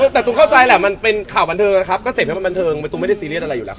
แต่ตูมเข้าใจแหละมันเป็นข่าวบันเทิงนะครับก็เสร็จให้มันบันเทิงมันตูมไม่ได้ซีเรียสอะไรอยู่แล้วครับ